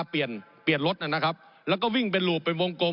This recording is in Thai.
ผมอภิปรายเรื่องการขยายสมภาษณ์รถไฟฟ้าสายสีเขียวนะครับ